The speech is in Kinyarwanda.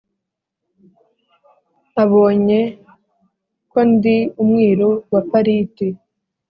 Abonye ko ndi umwiru wa Pariti